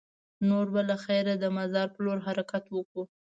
نور به له خیره د مزار په لور حرکت وکړو.